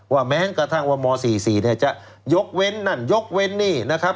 แม้กระทั่งว่าม๔๔เนี่ยจะยกเว้นนั่นยกเว้นนี่นะครับ